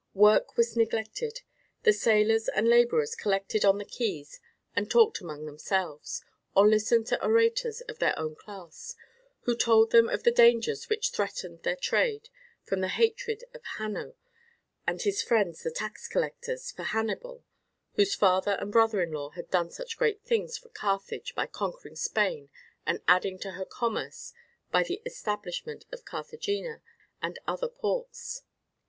Work was neglected, the sailors and labourers collected on the quays and talked among themselves, or listened to orators of their own class, who told them of the dangers which threatened their trade from the hatred of Hanno and his friends the tax collectors for Hannibal, whose father and brother in law had done such great things for Carthage by conquering Spain and adding to her commerce by the establishment of Carthagena and other ports.